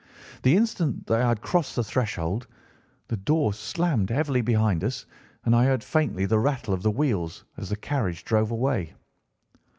The instant that I had crossed the threshold the door slammed heavily behind us, and I heard faintly the rattle of the wheels as the carriage drove away.